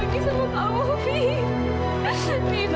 enggak kau masih livia